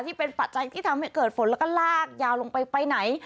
ปัจจัยที่ทำให้เกิดฝนแล้วก็ลากยาวลงไปไปไหน